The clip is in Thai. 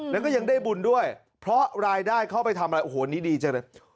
แล้วก็ยังได้บุญด้วยเพราะรายได้เข้าไปทำอะไรโอ้โหนี้ดีจังเลย